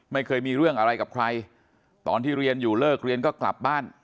ไม่เคยมีเรื่องอะไรกับใครตอนที่เรียนอยู่เลิกเรียนก็กลับบ้าน